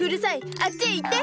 あっちへ行って！